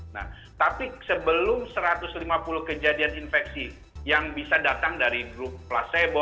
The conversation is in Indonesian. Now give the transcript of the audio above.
nah tapi sebelum satu ratus lima puluh kejadian infeksi yang bisa datang dari drup placebo